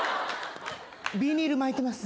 ビニール巻いてます。